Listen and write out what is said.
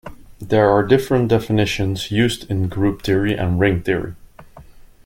There are different definitions used in group theory and ring theory.